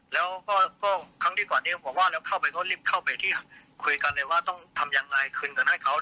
แล้วก็ครั้งที่ก่อนนี้ผมว่าแล้วเข้าไปก็รีบเข้าไปที่คุยกันเลยว่าต้องทำยังไงคืนเงินให้เขา